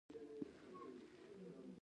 لـنـډه کيـسـه :نـاوړه دودونـه